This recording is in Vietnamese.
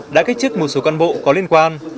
đã kết chức một số con bộ có liên quan